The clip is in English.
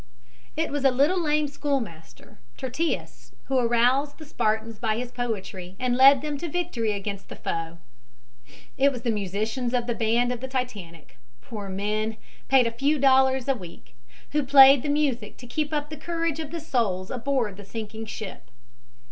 It was a little lame schoolmaster, Tyrtaeus, who aroused the Spartans by his poetry and led them to victory against the foe. It was the musicians of the band of the Titanic poor men, paid a few dollars a week who played the music to keep up the courage of the souls aboard the sinking ship.